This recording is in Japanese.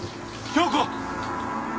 響子！